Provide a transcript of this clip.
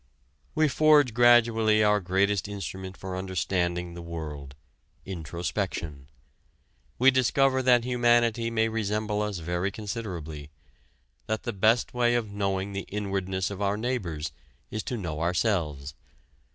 We forge gradually our greatest instrument for understanding the world introspection. We discover that humanity may resemble us very considerably that the best way of knowing the inwardness of our neighbors is to know ourselves.